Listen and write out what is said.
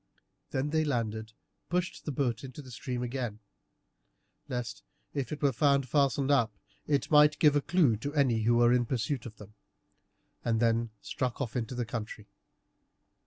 Then they landed, pushed the boat into the stream again, lest, if it were found fastened up, it might give a clue to any who were in pursuit of them, and then struck off into the country.